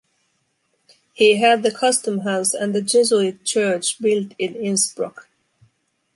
He had the Custom House and the Jesuit Church built in Innsbruck.